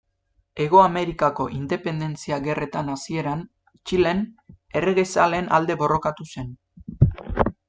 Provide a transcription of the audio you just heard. Hego Amerikako independentzia gerretan hasieran, Txilen, erregezaleen alde borrokatu zen.